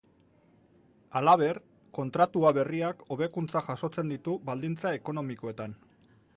Halaber, kontratua berriak hobekuntzak jasotzen ditu baldintza ekonomikoetan.